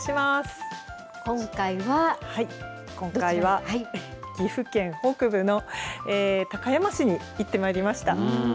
今回は、岐阜県北部の高山市に行ってまいりました。